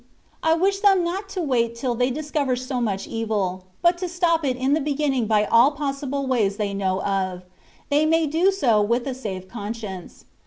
I wish them not to wait till they discover so much evil, but to stop it in the beginning by all pos sible ways they know of; they may do so with a safe conscience.